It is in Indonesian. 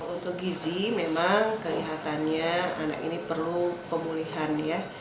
untuk gizi memang kelihatannya anak ini perlu pemulihan ya